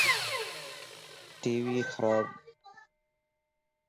ٽي وي خراب